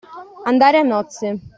Andare a nozze.